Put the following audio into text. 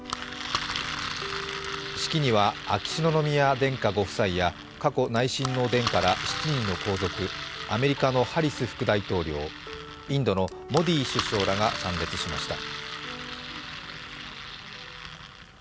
式には秋篠宮殿下ご夫妻や佳子さまら７人の皇族、アメリカのハリス副大統領、インドのモディ首相らが参列しました。